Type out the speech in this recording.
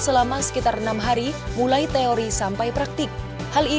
p entonces kita sampai tempat untuk semangat bohong bohong raid